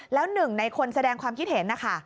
แล้วหนึ่งในคนแสดงความคิดเห็นนะคะ